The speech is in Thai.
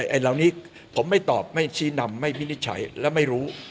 ไอ้เหล่านี้ผมไม่ตอบไม่ชี้นำไม่วินิจฉัยและไม่รู้